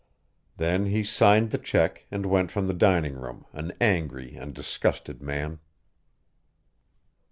Then he signed the check and went from the dining room, an angry and disgusted man.